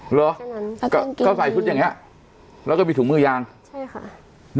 เหรอก็ใส่ชุดอย่างเงี้ยแล้วก็มีถุงมือยางใช่ค่ะ